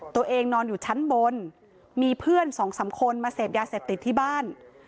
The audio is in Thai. นอนอยู่ชั้นบนมีเพื่อนสองสามคนมาเสพยาเสพติดที่บ้าน